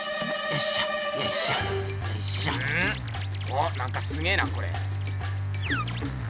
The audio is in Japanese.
おっなんかすげえなこれ。